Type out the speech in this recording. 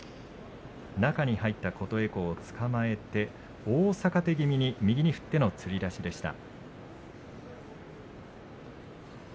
中に入った琴恵光をつかまえて大逆手気味に右に振ってのつり出しでした。